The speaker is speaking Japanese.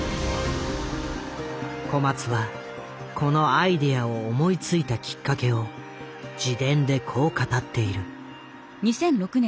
小松はこのアイデアを思いついたきっかけを自伝でこう語っている。